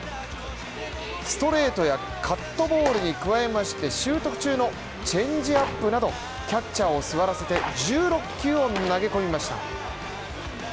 ストレートやカットボールに加えまして習得中のチェンジアップなどキャッチャーを座らせて１６球を投げ込みました